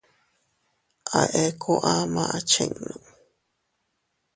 A eku ama a chinnu.